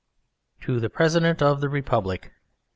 TO THE PRESIDENT OF THE REPUBLIC.